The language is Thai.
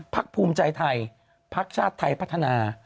ภูมิใจไทยพักชาติไทยพัฒนา